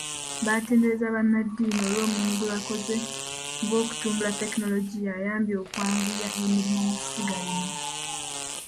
Baatenderezza bannaddiini olw'omulimu gwe bakoze ng'okutumbula tekinologiya ayambye okwanguya emirimu mu ssiga lino.